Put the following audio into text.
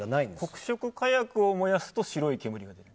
黒色火薬を燃やすと黒い煙が出る。